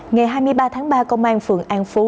ngày hai mươi ba tháng ba công an phường an phú